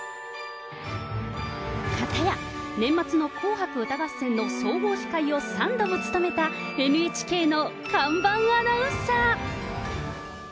片や年末の紅白歌合戦の総合司会を３度も務めた、ＮＨＫの看板アナウンサー。